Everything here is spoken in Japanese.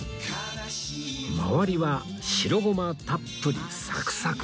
周りは白ゴマたっぷりサクサク！